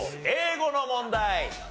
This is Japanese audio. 英語の問題。